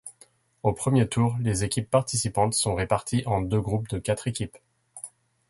Au premier tour, les équipes participantes sont réparties en deux groupes de quatre équipes.